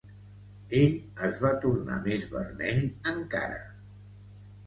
Ell es va tornar més vermell encara.